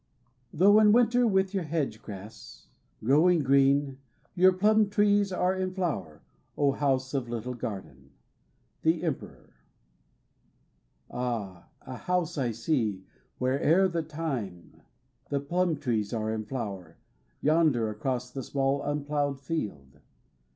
Though in winter, With your hedge grass Growing green, Your plum trees are in flower, O house of a little garden I The Emperor Ah, a house I see, Where ere the time The plum trees are in flower Yonder across The small unplowed field.